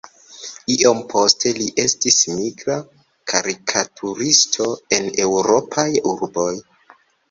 Iom poste li estis migra karikaturisto en eŭropaj urboj.